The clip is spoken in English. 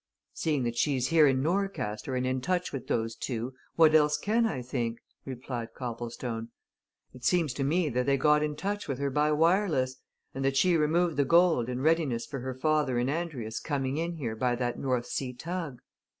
"Seeing that she's here in Norcaster and in touch with those two, what else can I think?" replied Copplestone. "It seems to me that they got in touch with her by wireless and that she removed the gold in readiness for her father and Andrius coming in here by that North Sea tug.